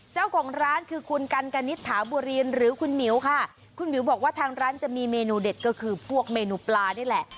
เจ้าของร้านคือคุณกันกณิตถาบุรีนหรือคุณหมิวค่ะคุณหมิวบอกว่าทางร้านจะมีเมนูเด็ดก็คือพวกเมนูปลานี่แหละ